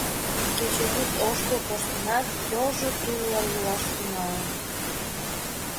Кечыгут ошкыл коштынат, йолжо тулла йӱлаш тӱҥалын.